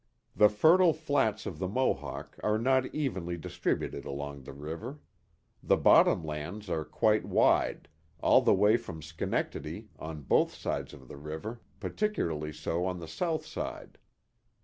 The fertile flats of the Mohawk are not evenly distributed along the river. The bottom lands are quite wide, all the way from Schenectady, on both sides of the river, par ticularly so on the south side.